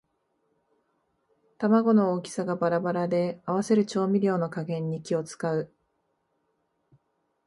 玉子の大きさがバラバラで合わせる調味料の加減に気をつかう